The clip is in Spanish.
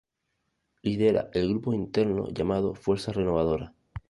Lidera el grupo interno llamado Fuerza Renovadora.